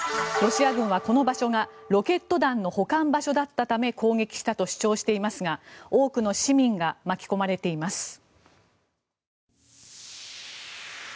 ロシア軍はこの場所がロケット弾の保管場所だったため攻撃したと主張していますが多くの市民が巻き込まれています。